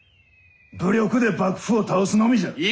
武力で幕府を倒すのみじゃ！